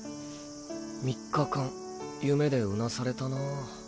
３日間夢でうなされたなァ。